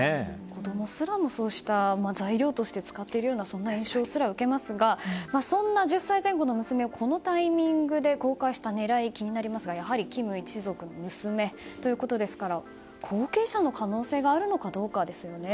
子供すらもそうした材料として使っているようなそんな印象すら受けますがそんな１０歳前後の娘をこのタイミングで公開した狙いが気になりますがやはり金一族の娘ですから後継者の可能性があるのかどうかですよね。